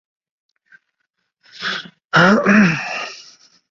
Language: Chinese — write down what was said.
贞元十八年后垄之原。